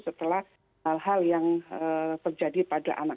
setelah hal hal yang terjadi pada anak